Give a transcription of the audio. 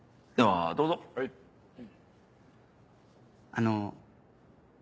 あの。